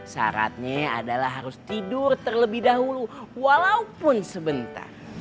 syaratnya adalah harus tidur terlebih dahulu walaupun sebentar